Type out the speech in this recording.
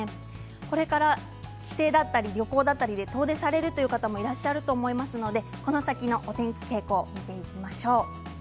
これから帰省だったり旅行だったりで、遠出される方もいらっしゃると思いますのでこの先のお天気傾向を見ていきます。